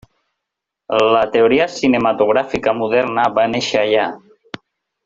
La teoria cinematogràfica moderna va néixer allà.